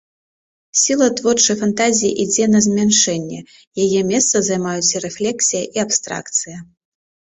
Сіла творчай фантазіі ідзе на змяншэнне, яе месца займаюць рэфлексія і абстракцыя.